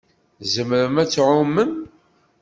Tzemrem ad tɛumem?